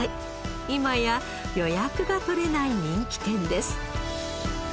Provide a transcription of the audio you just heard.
今や予約が取れない人気店です。